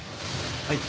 はい。